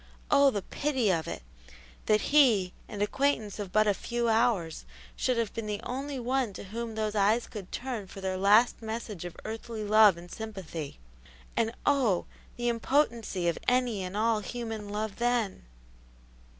Oh, the pity of it! that he, an acquaintance of but a few hours, should have been the only one to whom those eyes could turn for their last message of earthly love and sympathy; and oh, the impotency of any and all human love then!